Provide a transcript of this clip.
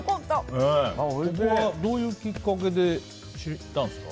どういうきっかけで知ったんですか？